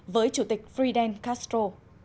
với chủ tịch fidel castro